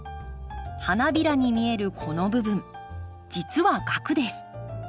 花びらに見えるこの部分実は萼です。